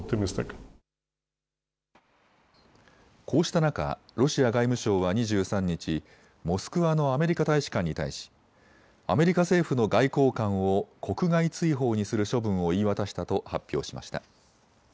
こうした中、ロシア外務省は２３日、モスクワのアメリカ大使館に対しアメリカ政府の外交官を国外追放にする処分を言い渡したと発表しました。